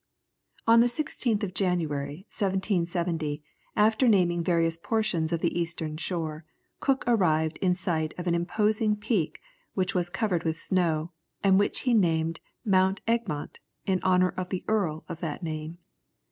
On the 16th of January, 1770, after naming various portions of the eastern shore, Cook arrived in sight of an imposing peak, which was covered with snow, and which he named Mount Egmont in honour of the earl of that name.